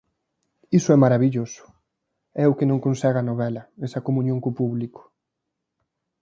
Iso é marabilloso, é o que non consegue a novela, esa comuñón co público.